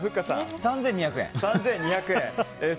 ３２００円。